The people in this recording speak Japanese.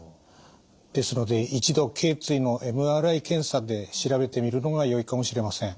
ですので一度けい椎のＭＲＩ検査で調べてみるのがよいかもしれません。